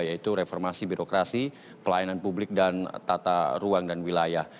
yaitu reformasi birokrasi pelayanan publik dan tata ruang dan wilayah